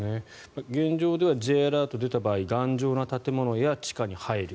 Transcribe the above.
現状ではＪアラートが出た場合頑丈な建物や地下に入る